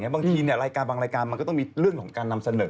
บางทีรายการบางรายการมันก็ต้องมีเรื่องของการนำเสนอ